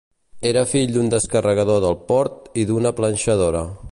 Era fill d'un descarregador del port i d'una planxadora.